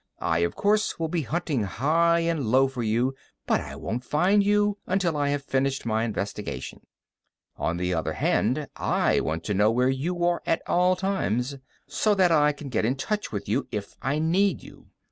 I, of course, will be hunting high and low for you, but I won't find you until I have finished my investigation. "On the other hand, I want to know where you are at all times, so that I can get in touch with you if I need you.